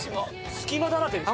隙間だらけですよ。